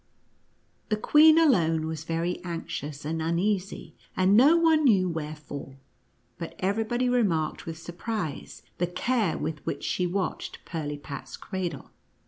The queen alone was very anxious and uneasy, and no one knew wherefore, but every body remarked with surprise, the care with which she watched Pirli pat's cradle.